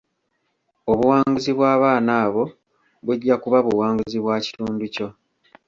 Obuwanguzi bw'abaana abo bujja kuba buwanguzi bwa kitundu kyo.